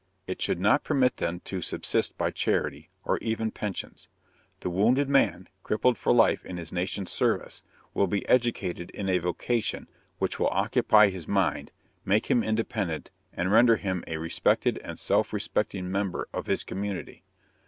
It should not permit them to subsist by charity, or even pensions. The wounded man, crippled for life in his nation's service, will be educated in a vocation which will occupy his mind, make him independent, and render him a respected and self respecting member of his community.